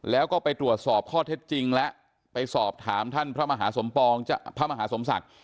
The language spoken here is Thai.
แล้วก็ไปตรวจสอบข้อเท็จจริงแล้วไปสอบถามท่านพระมหาสมปองพระมหาสมศักดิ์